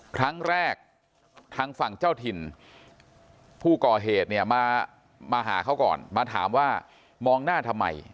ครั้งแรกทางฝั่งเจ้าถิ่นผู้ก่อเหตุเนี่ยมาหาเขาก่อนมาถามว่ามองหน้าทำไม